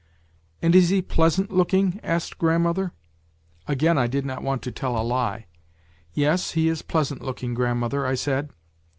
"' And is he pleasant looking? ' asked grandmother. " Again I did not want to tell a lie :' Yes, he is pleasant looking, grandmother,' I said.